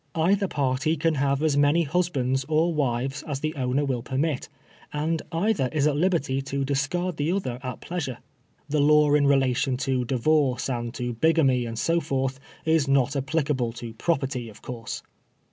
Either party can have as many husbands or wives as the owner will permit, and either is at liberty to discard the other at pleasure. The law in relation to divorce, or to bigamy, and so forth, is not applicable to property, of course.